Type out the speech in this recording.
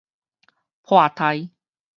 破胎